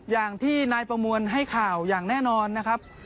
อย่างที่นายประมวลให้ข่าวอย่างแน่นอนนะครับ